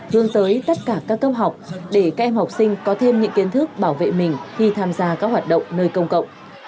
hướng tới tất cả các cấp học để các em học sinh có thêm những kiến thức bảo vệ mình khi tham gia các hoạt động nơi công cộng